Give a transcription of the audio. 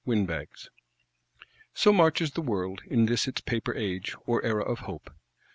Windbags. So marches the world, in this its Paper Age, or Era of Hope.